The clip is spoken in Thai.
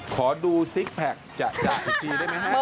ขอดูซิกแพคจากจากที่ที่ได้ไหมฮะ